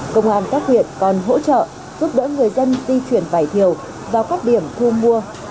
công an các huyện còn hỗ trợ giúp đỡ người dân di chuyển vải thiều vào các điểm thu mua